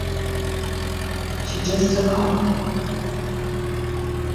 She just took off.